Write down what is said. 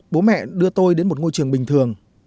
bố mẹ đưa tôi đến một ngôi trường bình thường